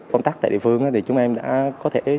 công tác tại địa phương thì chúng em đã có thể